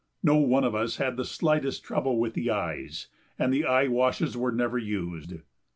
No one of us had the slightest trouble with the eyes, and the eye washes were never used.